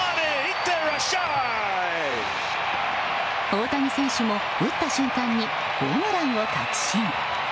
大谷選手も打った瞬間にホームランを確信。